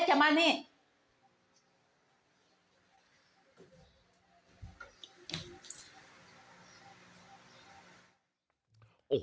ขวดละ๕ไม่ดีอยากขวดละ๑๐